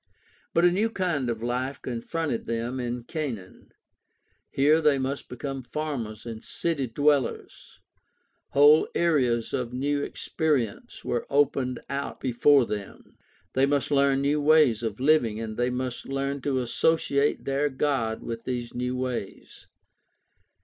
But a new kind of life confronted them in Canaan. Here they must become farmers and city dwellers. 138 GUIDE TO STUDY OF CHRISTIAN RELIGION Whole areas of new experience were opened out before them. They must learn new ways of living and they must learn to associate their God with these new ways.